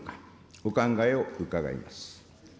お考えを伺います。